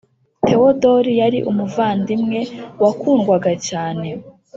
Theodor yari umuvandimwe wakundwaga cyane .